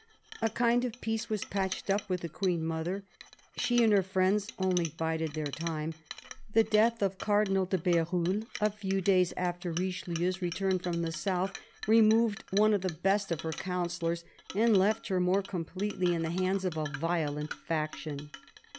A kind of peace was patched up with the Queen mother. She and her friends only bided their time ; the death of Cardinal de BeruUe, a few days after Richelieu's return from the south, removed one of the best of her counsellors and left her more completely in the hands of a violent faction.